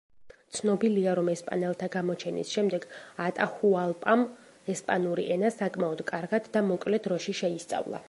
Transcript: ცნობილია, რომ ესპანელთა გამოჩენის შემდეგ, ატაჰუალპამ ესპანური ენა საკმაოდ კარგად და მოკლე დროში შეისწავლა.